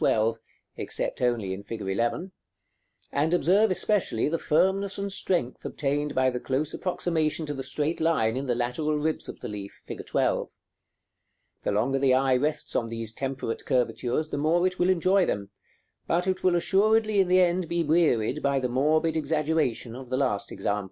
12, except only in fig. 11; and observe especially the firmness and strength obtained by the close approximation to the straight line in the lateral ribs of the leaf, fig. 12. The longer the eye rests on these temperate curvatures the more it will enjoy them, but it will assuredly in the end be wearied by the morbid exaggeration of the last example.